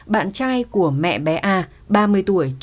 bạn trai của mẹ bé a ba mươi tuổi